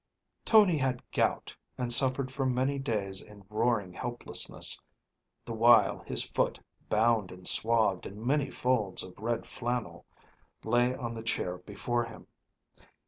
Tony had gout, and suffered for many days in roaring helplessness, the while his foot, bound and swathed in many folds of red flannel, lay on the chair before him.